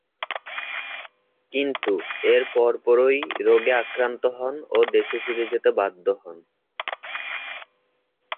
কিন্তু এর পরপরই রোগে আক্রান্ত হন ও দেশে ফিরে যেতে বাধ্য হন।